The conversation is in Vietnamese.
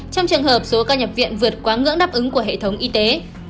trong trường hợp số ca nhập viện vượt quá ngưỡng đáp ứng của hệ thống y tế